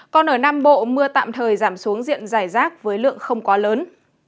còn ở nam bộ mưa tạm thời giảm xuống diện dài rác với lượng không quá lớn